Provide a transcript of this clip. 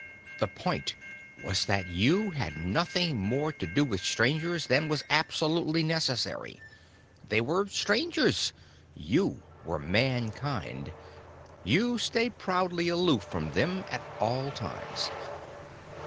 The point was that you had nothing more to do with Strangers than was absolutely necessary. They were Strangers. You were Mankind. You stayed proudly aloof from them at all times.